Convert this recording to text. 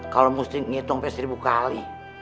kalo mesti ngitung sampe seribu kali